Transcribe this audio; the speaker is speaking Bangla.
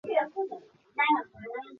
আহা শৈল, ওটা মনে আছে তো?